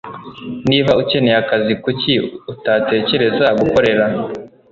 Niba ukeneye akazi, kuki utatekereza gukorera ?